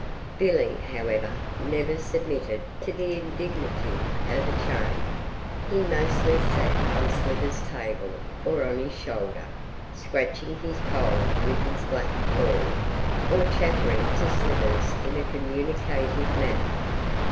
Billy, however, never submitted to the indignity of a chain he mostly sat on Slivers' table or on his shoulder, scratching his poll with his black claw, or chattering to Slivers in a communicative manner.